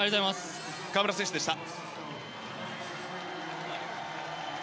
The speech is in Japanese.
河村選手でした。